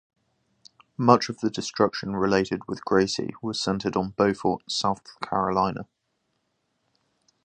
Much of the destruction related with Gracie was centered on Beaufort, South Carolina.